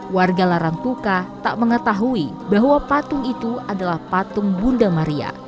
warga larang tuka tak mengetahui bahwa patung itu adalah patung bunda maria